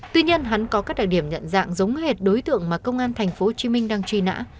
tuy nhiên hắn có các đặc điểm nhận dạng giống hệt đối tượng mà công an tp hcm đang truy nã